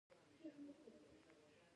دوی تر جوړښتي او سیستماتیک تبعیض لاندې وو.